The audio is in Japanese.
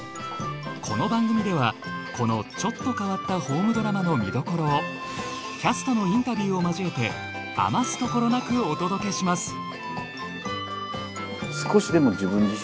この番組ではこのちょっと変わったホームドラマの見どころをキャストのインタビューを交えて余すところなくお届けします！